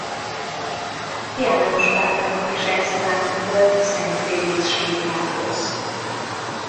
János Pál pápa is elzarándokolt Szent Félix sírjához.